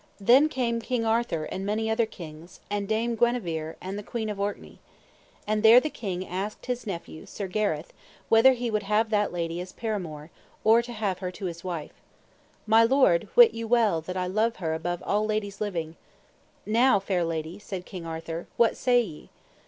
Then came King Arthur and many other kings, and Dame Guenever, and the Queen of Orkney. And there the king asked his nephew, Sir Gareth, whether he would have that lady as paramour, or to have her to his wife. My lord, wit you well that I love her above all ladies living. Now, fair lady, said King Arthur, what say ye?